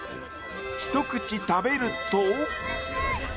ひと口食べると。